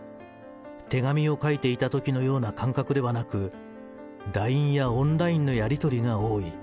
手紙を書いていたときのような感覚ではなく、ＬＩＮＥやオンラインのやり取りが多い。